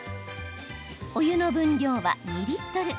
お湯の分量は２リットル。